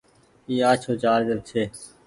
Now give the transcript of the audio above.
اي آڇهو چآرج ڇي۔